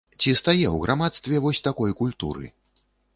Ці стае ў грамадстве вось такой культуры.